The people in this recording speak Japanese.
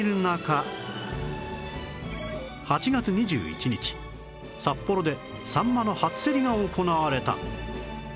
８月２１日札幌でサンマの初競りが行われた